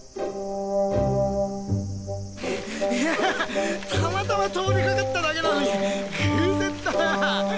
いやぁたまたま通りかかっただけなのに偶然だなぁ。